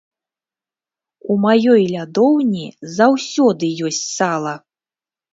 У маёй лядоўні заўсёды ёсць сала!!!